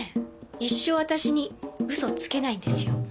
一生私に嘘つけないんですよ。